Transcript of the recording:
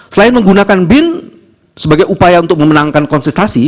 selain menggunakan bin sebagai upaya untuk memenangkan konsentrasi